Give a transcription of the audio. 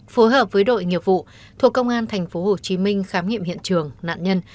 phối hợp với đội nghiệp vụ thuộc công an tp hcm khám nghiệm hiện trường nạn nhân